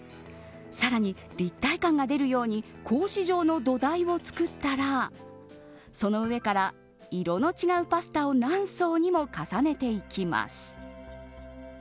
さらに立体感が出るように格子状の土台を作ったらその上から色の違うパスタを何層にも重ねていきます。